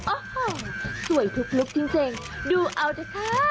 โอ้โหสวยทุกจริงดูเอานะคะ